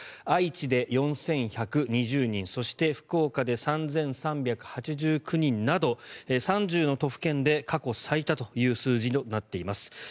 愛知で４１２０人そして福岡で３３８９人など３０の都府県で過去最多という数字となっています。